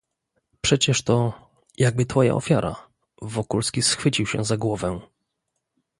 "Przecież to, jakby twoja ofiara... Wokulski schwycił się za głowę."